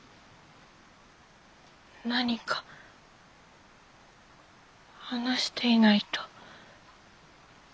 何か話していないと。